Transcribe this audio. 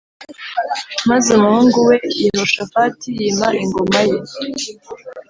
maze umuhungu we Yehoshafati yima ingoma ye